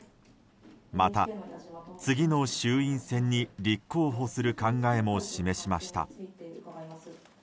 また、次の衆院選に立候補する考えも示しました。